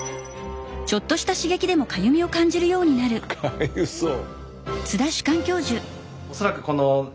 かゆそう。